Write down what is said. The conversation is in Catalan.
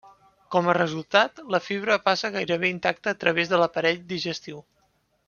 Com a resultat, la fibra passa gairebé intacta a través de l'aparell digestiu.